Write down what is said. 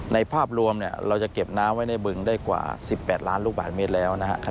ภาพรวมเราจะเก็บน้ำไว้ในบึงได้กว่า๑๘ล้านลูกบาทเมตรแล้วนะครับ